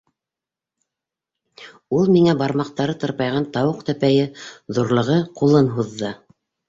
Ул миңә бармаҡтары тырпайған тауыҡ тәпәйе ҙурлығы ҡулын һуҙҙы.